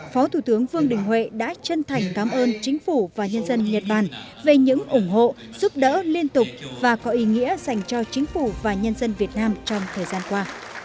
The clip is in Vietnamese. phó thủ tướng vương đình huệ đã chân thành cảm ơn chính phủ và nhân dân nhật bản về những ủng hộ giúp đỡ liên tục và có ý nghĩa dành cho chính phủ và nhân dân việt nam trong thời gian qua